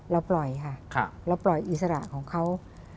เราปล่อยค่ะเราปล่อยอิสระของเขา